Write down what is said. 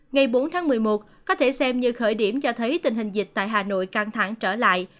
ngày bốn tháng một mươi một có thể xem như khởi điểm cho thấy tình hình dịch tại hà nội căng thẳng trở lại